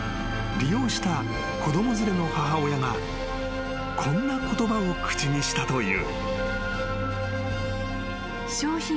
［利用した子供連れの母親がこんな言葉を口にしたという］